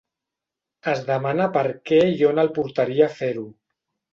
Es demana per què i on el portaria fer-ho.